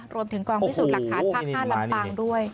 รวมถึงกองพิสูจน์หลักฐานภาค๕ลำปางด้วย